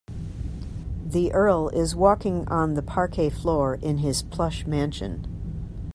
The earl is walking on the parquet floor in his plush mansion.